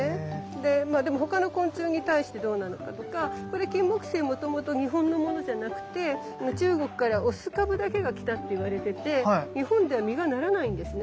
でまあでも他の昆虫に対してどうなのかとかこれキンモクセイもともと日本のものじゃなくて中国から雄株だけが来たっていわれてて日本では実がならないんですね。